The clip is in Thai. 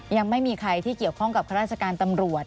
ยังไม่มีใครที่เกี่ยวข้องกับข้าราชการตำรวจ